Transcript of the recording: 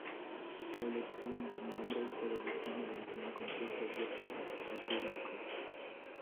La elección del nombre se realizó mediante un concurso abierto al público.